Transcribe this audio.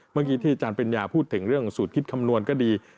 เมื่อกี้ที่อาจารย์ปริญญาพูดถึงเรื่องสูตรคิดคำนวณก็ดี